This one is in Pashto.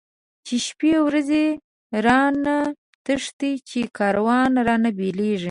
چی شپی ورځی رانه تښتی، چی کاروان رانه بيليږی